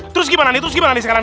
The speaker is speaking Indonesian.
terus gimana nih sekarang